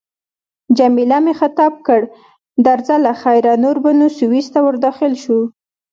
جميله مې مخاطب کړ: درځه له خیره، نور به نو سویس ته ورداخل شو.